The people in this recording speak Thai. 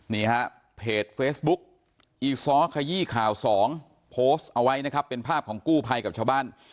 นี่ฮะเพจเฟซบุ๊กอีซ้อขยี้ข่าวสองโพสต์เอาไว้นะครับเป็นภาพของกู้ภัยกับชาวบ้าน